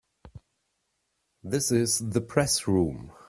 This is the Press Room.